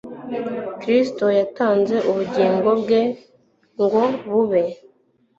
Kristo yatanze ubugingo bwe ngo bube